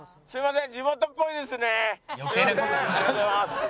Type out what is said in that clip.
すいません。